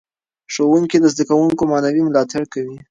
ښوونکي له زده کوونکو معنوي ملاتړ کوي.